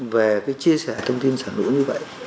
về cái chia sẻ thông tin xả lũ như vậy